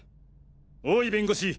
大井弁護士